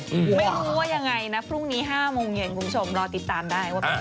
ไม่รู้ว่ายังไงนะพรุ่งนี้๕โมงเย็นคุณผู้ชมรอติดตามได้ว่าเป็น